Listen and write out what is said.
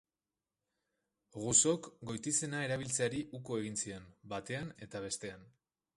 Rousseauk goitizena erabiltzeari uko egin zion, batean eta bestean.